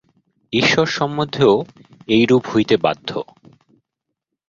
ঈশ্বর সম্বন্ধেও এইরূপ হইতে বাধ্য।